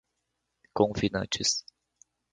confinantes